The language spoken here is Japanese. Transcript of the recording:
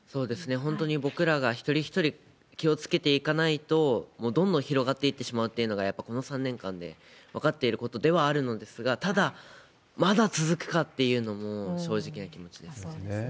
本当に僕らが一人一人気をつけていかないと、もうどんどん広がっていってしまうというのが、やっぱこの３年間で分かっていることではあるのですが、ただ、まだ続くかっていうそうですね。